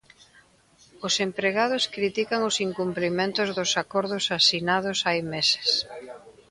Os empregados critican os incumprimentos dos acordos asinados hai meses.